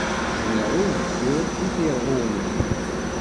Zemreɣ i ugeffur i tirɣi n unebdu.